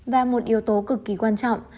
và một yếu tố cực kỳ quan trọng